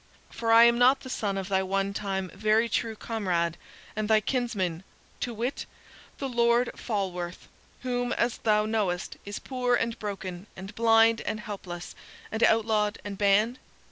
For am I not the son of thy onetime very true comrade and thy kinsman to wit, the Lord Falworth, whom, as thou knowest, is poor and broken, and blind, and helpless, and outlawed, and banned?